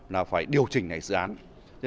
là phải điều chỉnh lại dự án